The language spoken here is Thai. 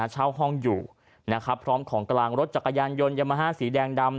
เช่าห้องอยู่นะครับพร้อมของกลางรถจักรยานยนต์ยามาฮ่าสีแดงดำ